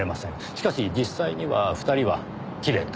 しかし実際には２人は切れた。